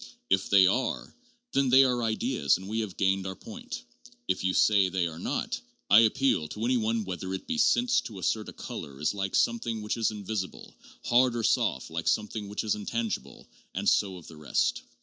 If they are, then they are ideas and we have gained our point; but if you say they are not, I appeal to any one whether it be sense to assert a color is like something which is invisible; hard or soft, like something which is intangible ; and so of the rest.